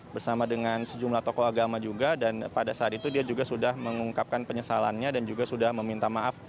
bersama dengan sejumlah tokoh agama juga dan pada saat itu dia juga sudah mengungkapkan penyesalannya dan juga sudah meminta maaf